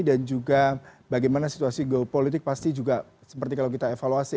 dan juga bagaimana situasi geopolitik pasti juga seperti kalau kita evaluasi